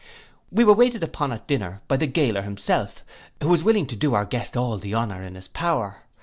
We were waited upon at dinner by the gaoler himself, who was willing to do our guest all the honour in his power.